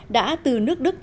đã từ nước nga đến nga